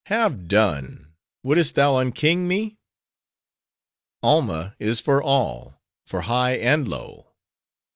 Have done! Wouldst thou unking me?" "Alma is for all; for high and low.